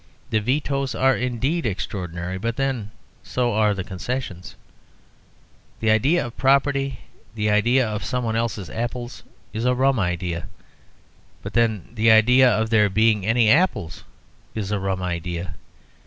The vetoes are indeed extraordinary, but then so are the concessions. The idea of property, the idea of some one else's apples, is a rum idea; but then the idea of there being any apples is a rum idea.